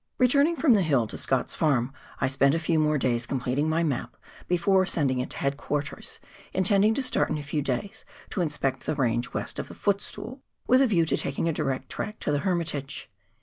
Heturning from the liill to Scott's farm, I spent a few more days completing my map before sending it to head quarters, intending to start in a few days to inspect the range west of the Footstool with a view to taking a direct track to the Hermitage.